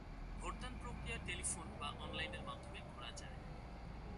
ভোটদান প্রক্রিয়া টেলিফোন বা অনলাইনের মাধ্যমে করা যায়।